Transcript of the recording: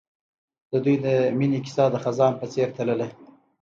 د دوی د مینې کیسه د خزان په څېر تلله.